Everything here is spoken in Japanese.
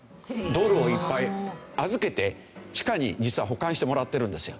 ドルをいっぱい預けて地下に実は保管してもらってるんですよ